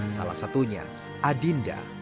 salah satunya adinda